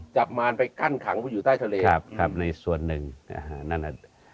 มารไปกั้นขังผู้อยู่ใต้ทะเลครับครับในส่วนหนึ่งนะฮะนั่นน่ะ